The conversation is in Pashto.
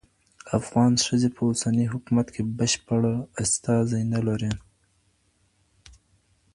افغان ښځي په اوسني حکومت کي بشپړ استازي نه لري.